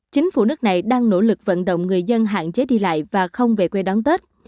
chính phủ nước này đang nỗ lực vận động người dân hạn chế đi lại và không về quê đón tết